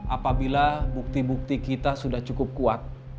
apabila bukti bukti kita sudah cukup kuat